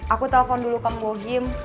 aku telfon dulu kang bohim